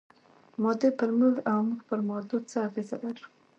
مادې پر موږ او موږ پر مادو څه اغېز لرو؟